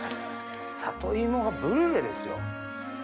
里芋がブリュレですよ。